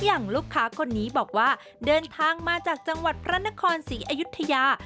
อย่างลูกค้าคนนี้บอกว่าเดินทางมาจากจังหวัดพระนครศรีอยุธยา